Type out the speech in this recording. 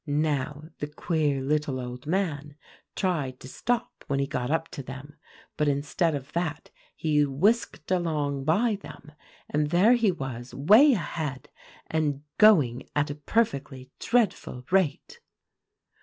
"Now, the queer little old man tried to stop when he got up to them; but instead of that he whisked along by them, and there he was way ahead, and going at a perfectly dreadful rate.